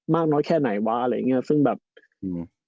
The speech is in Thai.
น้อยแค่ไหนวะอะไรอย่างเงี้ยซึ่งแบบอืม